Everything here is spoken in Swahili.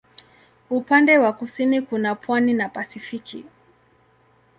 Upande wa kusini kuna pwani na Pasifiki.